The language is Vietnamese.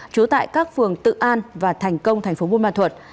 chú tại các phường tự an và thành công tp bunma thuật